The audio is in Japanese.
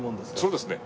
そうですね。